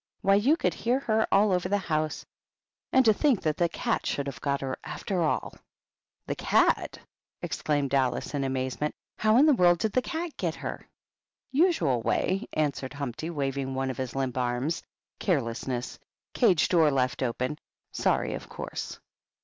Why, you could hear her all over the house ; and to think that the cat should have got her, after all 1" "The cat!" exclaimed Alice, in amaze ment. "How in the world did the cat get her r "Usual way," answered Humpty, waving one of his limp arms. "Carelessness! Cage door left open! Sorry, of course!"